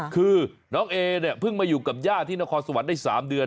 คือน้องเอเนี่ยเพิ่งมาอยู่กับย่าที่นครสวรรค์ได้๓เดือน